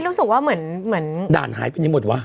โล่งเลยใช่มัน